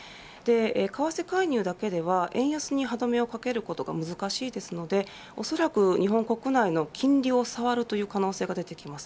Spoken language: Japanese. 為替介入だけでは円安に歯止めをかけることが難しいですのでおそらく日本国内の金利をさわるという可能性が出てきます。